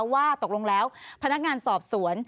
ว่าตกลงแล้วพนักงานสอบสวน